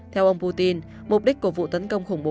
theo ông putin mục đích của vụ tấn công khủng bố